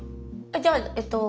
じゃあえっと